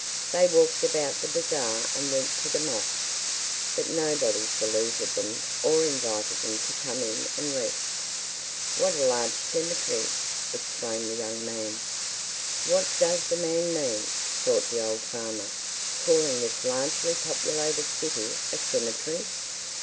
They walked about the bazaar and went to the mosque, but nobody saluted them or invited them to come in and rest. "What a large cemetery!" exclaimed the young man. "What does the man mean," thought the old farmer, "calling this largely populated city a cemetery?"